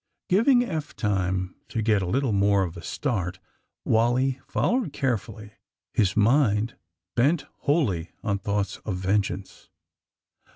'' Giving Eph time to get a little more of a start, Wally followed carefully, his mind bent wholly on thoughts of vengeance.